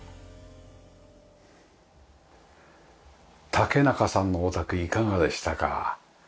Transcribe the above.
竹中さんのお宅いかがでしたか？